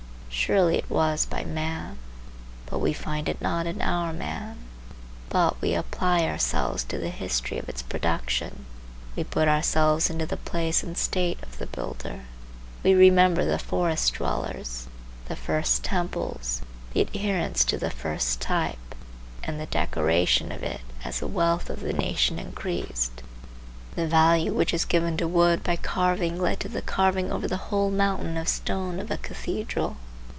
Surely it was by man, but we find it not in our man. But we apply ourselves to the history of its production. We put ourselves into the place and state of the builder. We remember the forest dwellers, the first temples, the adherence to the first type, and the decoration of it as the wealth of the nation increased; the value which is given to wood by carving led to the carving over the whole mountain of stone of a cathedral.